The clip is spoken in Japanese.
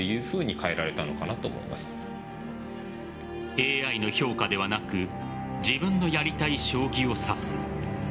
ＡＩの評価ではなく自分のやりたい将棋を指す。